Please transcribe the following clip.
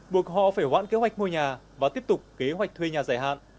buộc họ phải hoãn kế hoạch mua nhà và tiếp tục kế hoạch thuê nhà giải hạn